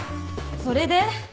それで？